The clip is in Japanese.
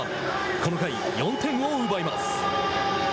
この回、４点を奪います。